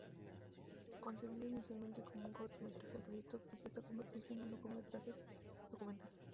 Concebido inicialmente como un cortometraje, el proyecto creció hasta convertirse en un largometraje documental.